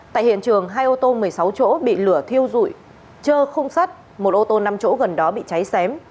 tại hiện trường hai ô tô một mươi sáu chỗ bị lửa thiêu rụi chơ không sắt một ô tô năm chỗ gần đó bị cháy xém